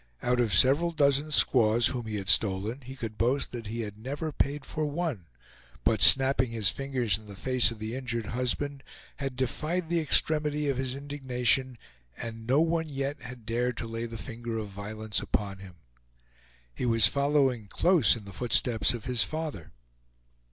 Out of several dozen squaws whom he had stolen, he could boast that he had never paid for one, but snapping his fingers in the face of the injured husband, had defied the extremity of his indignation, and no one yet had dared to lay the finger of violence upon him. He was following close in the footsteps of his father.